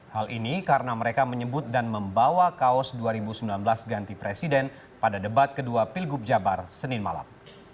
hal ini karena mereka menyebut dan membawa kaos dua ribu sembilan belas ganti presiden pada debat kedua pilgub jabar senin malam